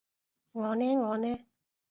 我呢我呢？